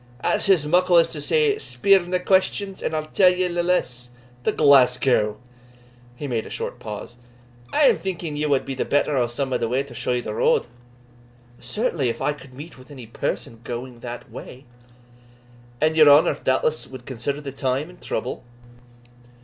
"That's as muckle as to say, Speer nae questions, and I'll tell ye nae lees. To Glasgow?" he made a short pause "I am thinking ye wad be the better o' some ane to show you the road." "Certainly, if I could meet with any person going that way." "And your honour, doubtless, wad consider the time and trouble?"